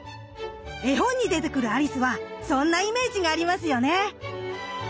絵本に出てくるアリスはそんなイメージがありますよね。